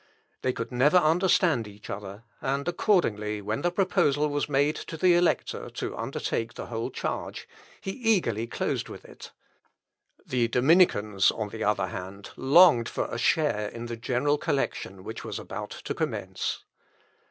They could never understand each other, and, accordingly, when the proposal was made to the Elector to undertake the whole charge, he eagerly closed with it. The Dominicans, on the other hand, longed for a share in the general collection which was about to commence.